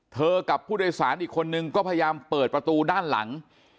กับผู้โดยสารอีกคนนึงก็พยายามเปิดประตูด้านหลัง